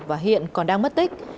và hiện còn đang mất tích